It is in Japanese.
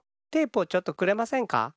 テープをちょっとくれませんか？